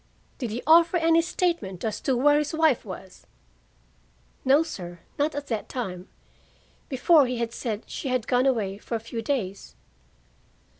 "Did he offer any statement as to where his wife was?" "No, sir. Not at that time. Before, he had said she had gone away for a few days."